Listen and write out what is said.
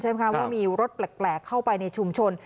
ว่ามีรถแปลกเข้าไปในชุมชน